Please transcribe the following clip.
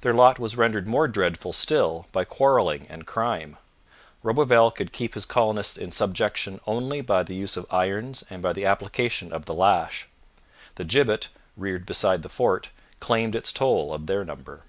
Their lot was rendered more dreadful still by quarrelling and crime. Roberval could keep his colonists in subjection only by the use of irons and by the application of the lash. The gibbet, reared beside the fort, claimed its toll of their number.